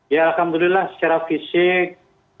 ya alhamdulillah secara fisik